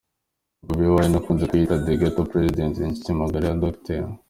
Bobi Wine ukunze kwiyita The Ghetto President ni inshuti magara ya Dr.